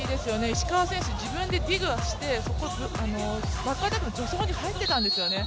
石川選手、自分でディグしてバックアタックの助走に入ってたんですよね。